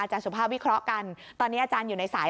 สุภาพวิเคราะห์กันตอนนี้อาจารย์อยู่ในสาย